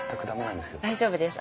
大丈夫です。